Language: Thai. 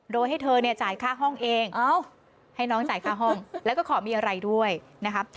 โดยให้เธอเนี่ยจ่ายค่าห้องเองให้น้องจ่ายค่าห้องแล้วก็ขอมีอะไรด้วยนะครับ